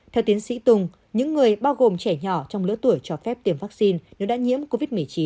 theo tiến sĩ tùng những người bao gồm trẻ nhỏ trong lứa tuổi cho phép tiêm vaccine nếu đã nhiễm covid một mươi chín